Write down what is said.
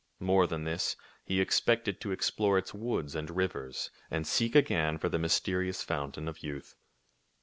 More than this, he expected to explore its woods and rivers and seek again for the mysterious fountain of youth.